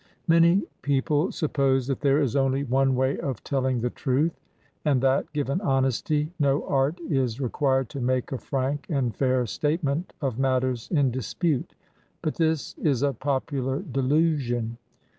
Many people suppose that there is only one 208 THE JURY LAWYER way of telling the truth, and that, given honesty, no art is required to make a frank and fair state ment of matters in dispute ; but this is a popular delusion.